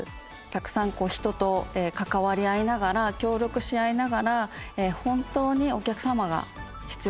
たくさん人と関わり合いながら協力し合いながら本当にお客様が必要なもの